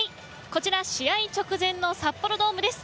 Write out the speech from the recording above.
こちら、試合直前の札幌ドームです。